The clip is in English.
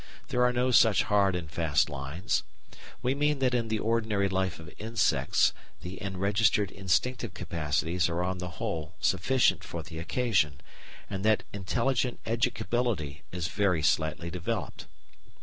There are no such hard and fast lines. We mean that in the ordinary life of insects the enregistered instinctive capacities are on the whole sufficient for the occasion, and that intelligent educability is very slightly developed.